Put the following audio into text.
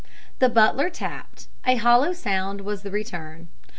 The butler tapped; a hollow sound was the return.